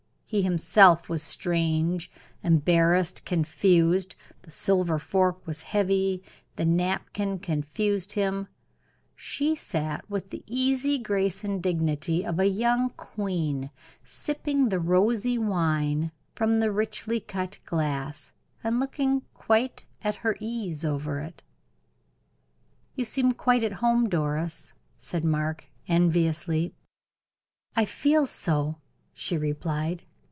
He himself was strange, embarrassed, confused; the silver fork was heavy, the napkin confused him; she sat with the easy grace and dignity of a young queen, sipping the rosy wine from the richly cut glass, and looking quite at her ease over it. "You seem quite at home, Doris," said Mark, enviously. "I feel so," she replied.